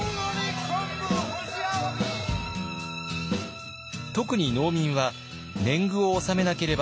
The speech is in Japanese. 特に農民は年貢を納めなければなりません。